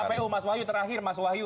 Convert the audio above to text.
saya ke kpu mas wahyu terakhir